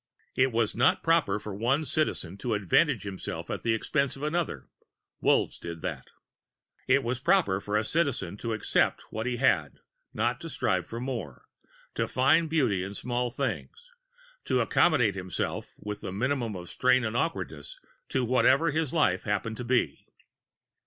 It was not proper for one Citizen to advantage himself at the expense of another; Wolves did that. It was proper for a Citizen to accept what he had, not to strive for more, to find beauty in small things, to accommodate himself, with the minimum of strain and awkwardness, to whatever his life happened to be.